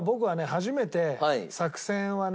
初めて作戦はね